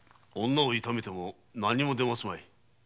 女を痛めても何も出ますまい。